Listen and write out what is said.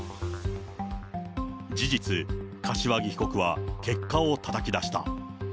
事実、柏木被告は結果をたたき出した。